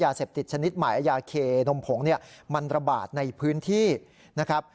ยาเสพติดชนิดหมายยาเคนมผงเนี่ยมันระบาดในพื้นที่นะครับ